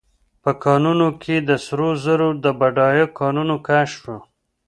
په کانونو کې د سرو زرو د بډایه کانونو کشف شو.